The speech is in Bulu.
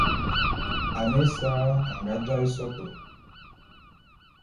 Ane ésa anga jaé sotô.